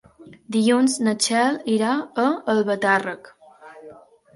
Dilluns na Txell irà a Albatàrrec.